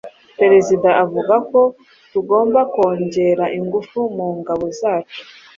Perezida avuga ko tugomba kongera ingufu mu ngabo zacu.